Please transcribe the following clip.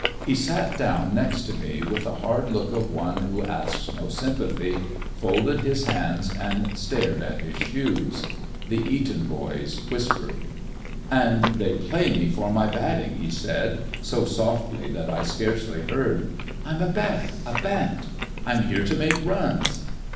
He sat down next to me with the hard look of one who asks no sympathy, folded his hands, and stared at his shoes. The Eton boys whispered. "And they play me for my batting," he said, so softly that I scarcely heard. "I'm a bat a bat. I'm here to make runs."